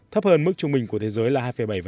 thấp hơn mức trung bình của thế giới là hai bảy